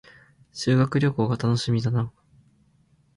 修学旅行が楽しみだな